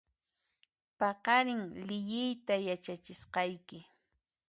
Paqarin liyiyta yachachisqayki